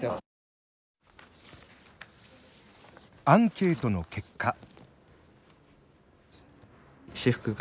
アンケートの結果。